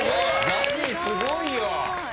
ＺＡＺＹすごいよ。